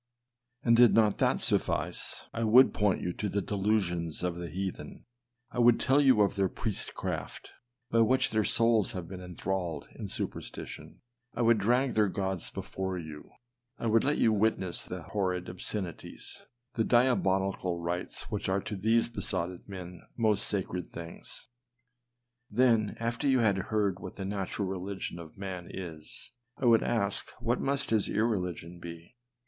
And, did not that suffice, I would point you to the delusions of the heathen; I woulcl tell you of their priestcraft, by which their souls have been enthralled in THE CARNAL MIND ENMITY AGAINST G( ^ 2o J superstition ; I would drag their gods before you ; 1 would let you witness the horrid obscenities, the dia bolical rites which are to these besotted men most sacred things. Then after you had heard what the nat ural religion of man is, I would ask what must his irre ligion be